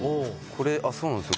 これあっそうなんすよ